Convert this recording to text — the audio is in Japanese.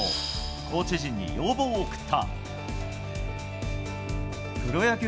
コーチ陣に要望を送った。